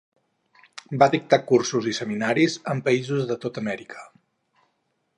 Va dictar cursos i seminaris en països de tota Amèrica.